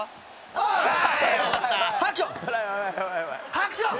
ハクション。